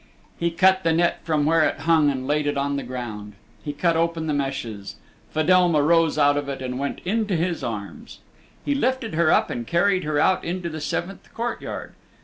He cut the net from where it hung and laid it on the ground. He cut open the meshes. Fedelma rose out of it and went into his arms. He lifted her up and carried her out into the seventh courtyard.